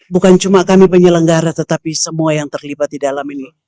bukan cuma kami penyelenggara tetapi semua yang terlibat di dalam ini